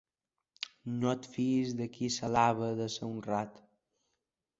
No et fiïs de qui s'alaba de ser honrat.